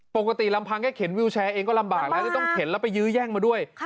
ปกติลำพังแค่เข็นวิวแชร์เองก็ลำบากแล้วที่ต้องเข็นแล้วไปยื้อแย่งมาด้วย